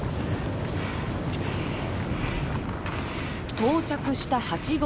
到着した８合目。